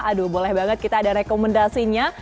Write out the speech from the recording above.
aduh boleh banget kita ada rekomendasinya